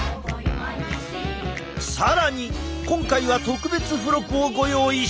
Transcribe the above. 更に今回は特別付録をご用意した！